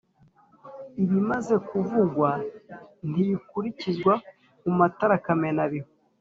Ibimaze kuvugwa ntibikurikizwa ku matara kamenabihu.